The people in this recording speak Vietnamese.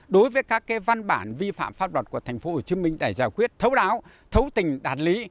đối với các cái văn bản vi phạm pháp luật của thành phố hồ chí minh để giải quyết thấu đáo thấu tình đạt lý